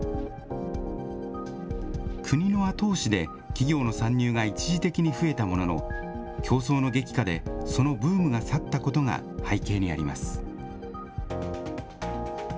国の後押しで、企業の参入が一時的に増えたものの、競争の激化で、そのブームが去ったことが背景にあります。